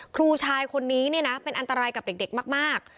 ครูชายคนนี้เนี่ยนะเป็นอันตรายกับเด็กมาก